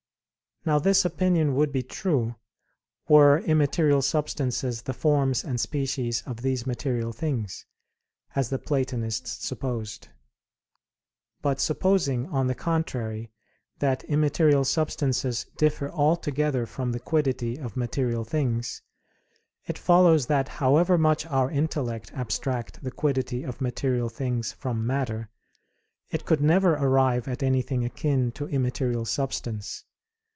Now this opinion would be true, were immaterial substances the forms and species of these material things; as the Platonists supposed. But supposing, on the contrary, that immaterial substances differ altogether from the quiddity of material things, it follows that however much our intellect abstract the quiddity of material things from matter, it could never arrive at anything akin to immaterial substance.